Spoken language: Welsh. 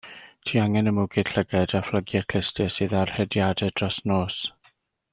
Ti angen y mwgwd llygaid a phlygiau clustiau sydd ar hediadau dros nos.